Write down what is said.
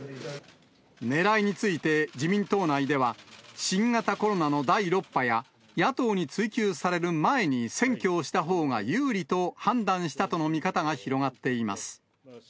ねらいについて自民党内では、新型コロナの第６波や、野党に追及される前に選挙をしたほうが有利と判断したとの見方が広がっています。